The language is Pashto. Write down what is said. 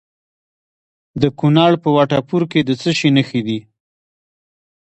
د کونړ په وټه پور کې د څه شي نښې دي؟